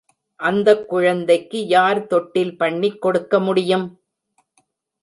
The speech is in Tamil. அந்தக் குழந்தைக்கு யார் தொட்டில் பண்ணிக் கொடுக்க முடியும்?